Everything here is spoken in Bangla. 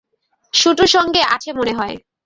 শুটুর সঙ্গে আছে মনে হয়!